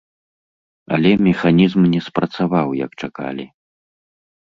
Але механізм не спрацаваў, як чакалі.